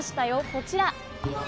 こちら。